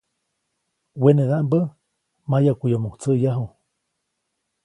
Wenedaʼmbä mayaʼkuyomoʼuŋ tsäʼyaju.